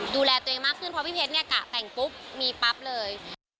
ดูแลตัวเองมากขึ้นพอพี่เพชรกะแก่งกุ๊บมีปั๊บเลย